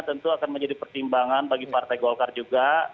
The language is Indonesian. tentu akan menjadi pertimbangan bagi partai golkar juga